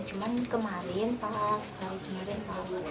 cuman kemarin pas kemarin pas